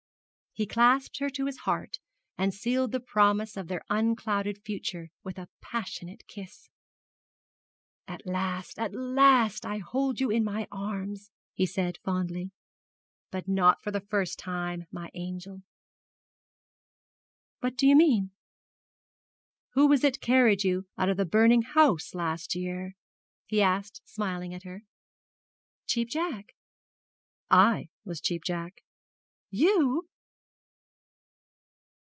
He clasped her to his heart, and sealed the promise of their unclouded future with a passionate kiss. 'At last, at last, I hold you in my arms!' he said, fondly; 'but not for the first time, my angel!' 'What do you mean?' 'Who was it carried you out of the burning house last year?' he asked, smiling at her. 'Cheap Jack.' 'I was Cheap Jack.' 'You!'